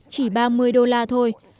chỉ ba mươi đô la thôi